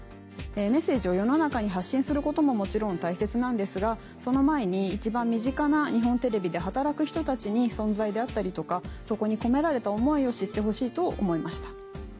メッセージを世の中に発信することももちろん大切なんですがその前に一番身近な日本テレビで働く人たちに存在であったりとかそこに込められた思いを知ってほしいと思いました。